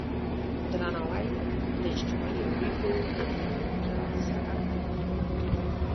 درناوی د اجتماعي اړیکو د پیاوړتیا سبب دی.